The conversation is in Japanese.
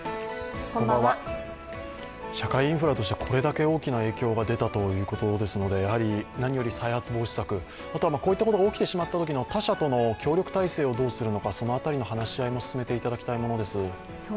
社会インフラとしてこれだけ大きな影響が出たということですから何より再発防止策、こういったことが起きてしまったときの他社との協力体制をどうするのか、その辺りの話し合いも進めてもらいたいものです。